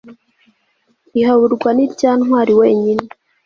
ihaburwa n'irya ntwari wenyine